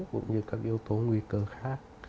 cũng như các yếu tố nguy cơ khác